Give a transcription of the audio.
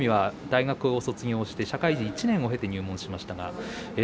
大奄美は大学を卒業して社会人１年を経て入門しました。